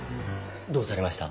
どうされました？